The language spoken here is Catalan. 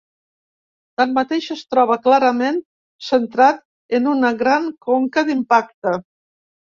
Tanmateix, es troba clarament centrat en una gran conca d'impacte.